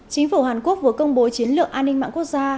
chính phủ hàn quốc vừa công bố chiến lược an ninh mạng quốc gia